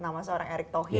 nama seorang erick thohir